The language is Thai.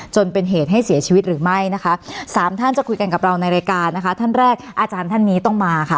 จนเป็นเหตุให้เสียชีวิตหรือไม่นะคะสามท่านจะคุยกันกับเราในรายการนะคะท่านแรกอาจารย์ท่านนี้ต้องมาค่ะ